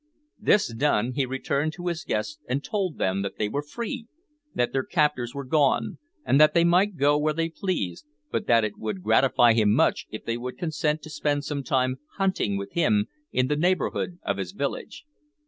This done he returned to his guests and told them that they were free, that their captors were gone, and that they might go where they pleased, but that it would gratify him much if they would consent to spend some time hunting with him in the neighbourhood of his village.